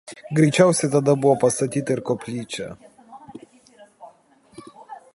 Greičiausiai tada buvo pastatyta ir koplyčia.